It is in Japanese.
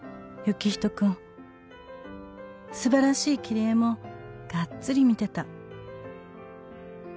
「素晴らしい切り絵もがっつり見てた」